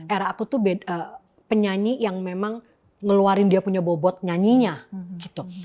era aku tuh penyanyi yang memang ngeluarin dia punya bobot nyanyinya gitu